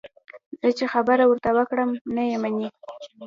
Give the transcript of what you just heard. زه چې خبره ورته وکړم، نه یې مني.